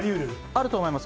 あると思います。